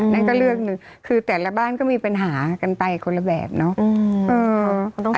นั่นก็เรื่องหนึ่งคือแต่ละบ้านก็มีปัญหากันไปคนละแบบเนาะ